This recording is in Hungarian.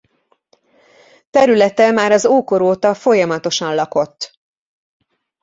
Területe már az ókor óta folyamatosan lakott.